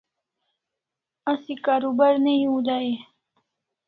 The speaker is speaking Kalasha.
Asi karubar ne hiu dai e?